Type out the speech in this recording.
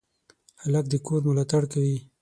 هلک د کور ملاتړ کوي.